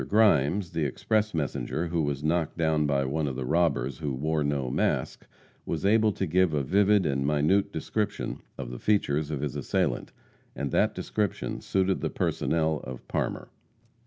Grimes, the express messenger who was knocked down by one of the robbers who wore no mask, was able to give a vivid and minute description of the features of his assailant, and that description suited the personnel of Parmer.